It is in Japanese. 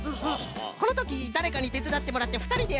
このときだれかにてつだってもらってふたりでやるのもいいぞい。